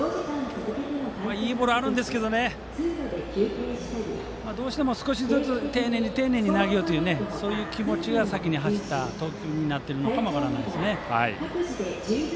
いいボールあるんですけどどうしても少しずつ丁寧に丁寧に投げようというそういう気持ちが先に走った投球になっているのかもしれませんね。